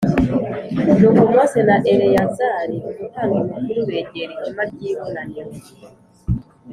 Nuko Mose na Eleyazari umutambyi mukuru begera ihema ry’ibonaniro